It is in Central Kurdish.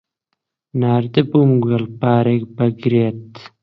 ناردبووم گوێلپارێک بگرێت.